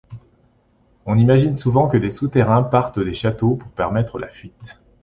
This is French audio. On imagine souvent que des souterrains partent des châteaux pour permettre la fuite.